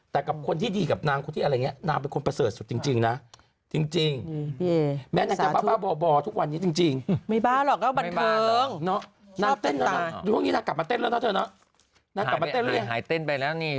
แต่กับคนที่ดีกับนางคนที่อะไรอย่างนี้